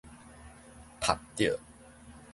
曝著